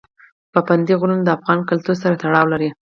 پابندی غرونه د افغان کلتور سره تړاو لري.